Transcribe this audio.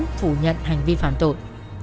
đoàn đã phải thừa nhận hành vi phạm tội